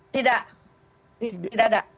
tidak tidak ada